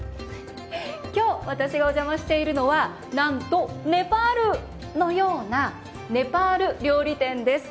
今日、私がお邪魔しているのはなんと、ネパールのようなネパール料理店です。